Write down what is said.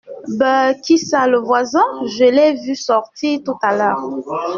Bah ! qui ça ? le voisin ? je l'ai vu sortir tout à l'heure.